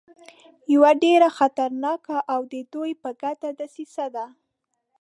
یوه ډېره خطرناکه او د دوی په ګټه دسیسه ده.